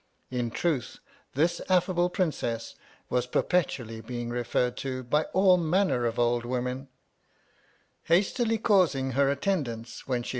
In truth, this affable Princess was perpetually being | referred to, by all manner of old women, j Hastily causing her attendants, when she